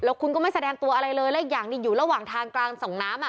แล้วคุณก็ไม่แสดงตัวอะไรเลยและอีกอย่างนี่อยู่ระหว่างทางกลางส่องน้ำอ่ะ